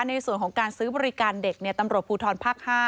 ในส่วนของการซื้อบริการเด็กตำรวจภูทรภาค๕